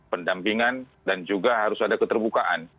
pendampingan dan juga harus ada keterbukaan